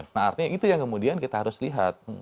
nah artinya itu yang kemudian kita harus lihat